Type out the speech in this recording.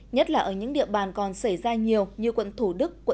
nhất là ở những địa bàn còn xảy ra nhiều như quận thủ đức quận một mươi hai